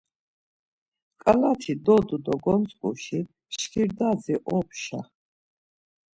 Ǩalati dodu do gontzǩuşi mşkirdadzi opşa!